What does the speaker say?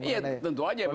iya tentu aja